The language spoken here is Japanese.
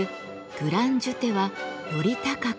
グラン・ジュテはより高く。